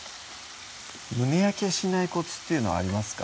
胸焼けしないコツっていうのありますか？